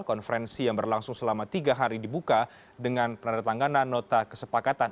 konferensi yang berlangsung selama tiga hari dibuka dengan penandatanganan nota kesepakatan